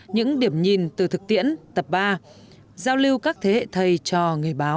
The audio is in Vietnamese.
những điểm nhìn từ thực tiễn tập ba giao lưu các thế hệ thầy cho người báo